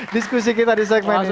diskusi kita di segmen ini